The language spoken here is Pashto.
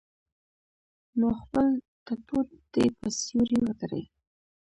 نو خپل ټټو دې پۀ سيوري وتړي -